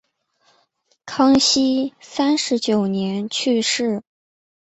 康熙三十九年去世。